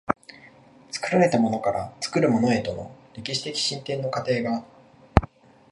作られたものから作るものへとの歴史的進展の過程が、